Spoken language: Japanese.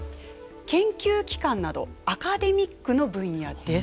研究機関などアカデミックの分野です。